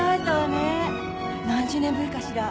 何十年ぶりかしら？